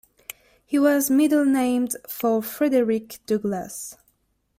He was middle-named for Frederick Douglas.